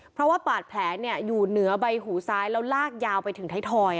เพราะว่าบาดแผลอยู่เหนือใบหูซ้ายแล้วลากยาวไปถึงไทยทอย